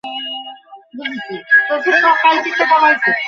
তার সঙ্গে লড়াই করব কী দিয়ে।